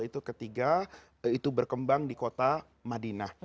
itu ketiga itu berkembang di kota madinah